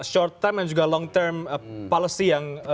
short time dan juga long term policy yang